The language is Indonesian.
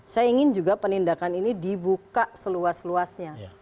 saya ingin juga penindakan ini dibuka seluas luasnya